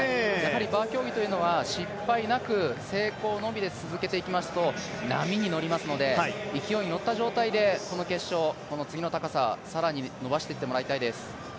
バー競技というのは、失敗なく成功のみで続けていきますと波に乗りますので、勢いに乗った状態でこの決勝、この次の高さ更に伸ばしていってもらいたいです。